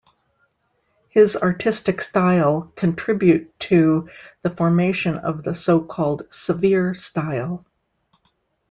His artistic style contribute to the formation of the so-called "severe" style.